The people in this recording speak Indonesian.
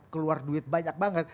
keluar duit banyak banget